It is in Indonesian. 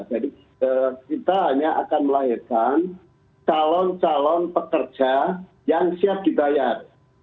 jadi kita hanya akan melahirkan calon calon pekerja yang siap dibayar